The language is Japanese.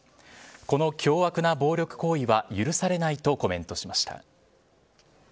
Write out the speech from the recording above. この凶悪な暴力行為は許されないとコメントしました。